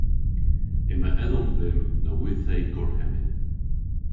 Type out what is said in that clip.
Yma edhomm dhymm nowydhhe gorhemmyn.